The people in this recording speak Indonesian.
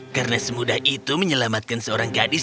karena semudah itu menyelamatkan seorang gadis